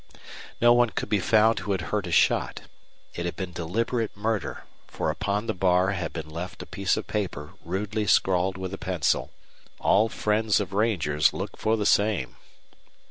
No one could be found who had heard a shot. It had been deliberate murder, for upon the bar had been left a piece of paper rudely scrawled with a pencil: "All friends of rangers look for the same."